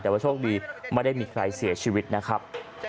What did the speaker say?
แต่ว่าโชคดีไม่ได้มีใครเสียชีวิตนะครับ